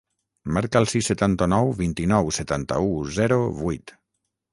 Marca el sis, setanta-nou, vint-i-nou, setanta-u, zero, vuit.